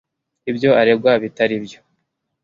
ibyo aregwa bitari byo.